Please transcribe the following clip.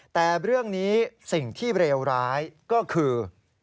แต่เรื่องนี้สิ่งที่เลวร้ายก็คือ